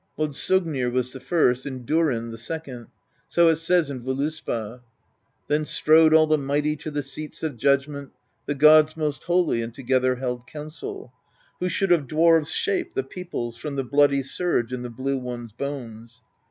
Mod sognir was the first, and Durinn the second; so it says in Voluspa, Then strode all the mighty to the seats of judgment. The gods most holy, and together held counsel. Who should of dwarves shape the peoples From the bloody surge' and the Blue One's bones.